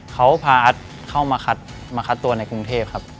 เขาพาอาร์ตเข้ามาคัดตัวในกรุงเทพครับ